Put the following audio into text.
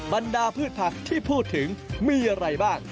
บรรดาพืชผักที่พูดถึงมีอะไรบ้าง